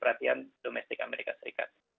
perhatian domestik amerika serikat